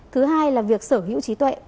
thứ hai là việc sở hữu trí tuệ